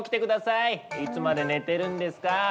いつまで寝てるんですか？